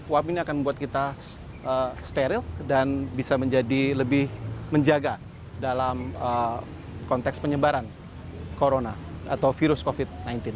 uap ini akan membuat kita steril dan bisa menjadi lebih menjaga dalam konteks penyebaran corona atau virus covid sembilan belas